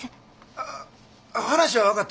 ああ話は分かった。